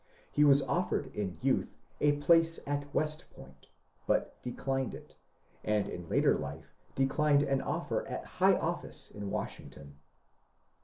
He was offered in youth a place at West Point, but declined it, and in later life declined an offer of high office at Washing ton.